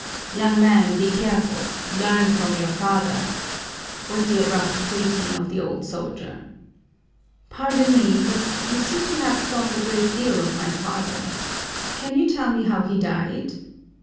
"Young man, be careful! Learn from your father!" was the abrupt greeting of the old soldier. "Pardon me, but you seem to have thought a great deal of my father. Can you tell me how he died?"